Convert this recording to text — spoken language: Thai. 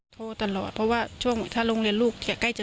โทรไปถามว่าแม่ช่วยด้วยถูกจับ